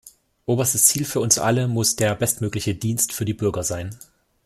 Oberstes Ziel für uns alle muss der bestmögliche Dienst für die Bürger sein.